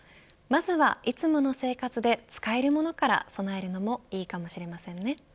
まずはいつもの生活で使えるものから備えるのもいいかもしれませんね。